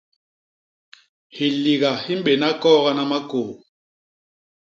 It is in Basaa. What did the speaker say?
Hiliga hi mbéna koogana makôô.